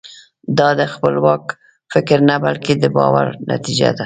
دا د خپلواک فکر نه بلکې د باور نتیجه ده.